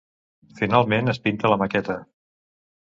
Finalment es pinta la maqueta.